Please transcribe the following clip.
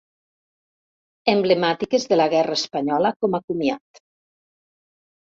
Emblemàtiques de la guerra espanyola com a comiat.